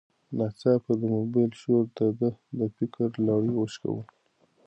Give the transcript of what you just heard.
ناڅاپه د موبایل شور د ده د فکر لړۍ وشکوله.